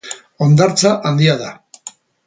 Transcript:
Hondartza handia da.